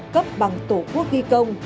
cấp bằng tổ quốc ghi công